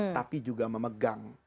tapi juga memegang